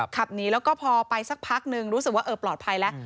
ขับหนีแล้วก็พอไปสักพักนึงรู้สึกว่าเออปลอดภัยแล้ว